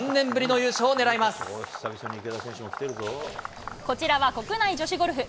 あす、こちらは国内女子ゴルフ。